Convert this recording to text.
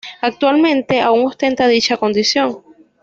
Actualmente aun ostenta dicha condición.